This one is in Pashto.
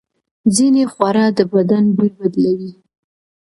ځینې خواړه د بدن بوی بدلوي.